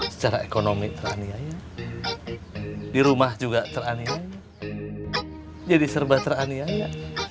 secara ekonomi teraniaya di rumah juga terani jadi serba teraniaya